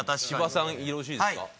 芝さんよろしいですか？